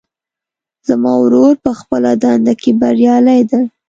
زما ورور په خپله دنده کې بریالی ده